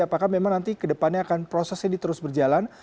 apakah memang nanti kedepannya akan proses ini terus berjalan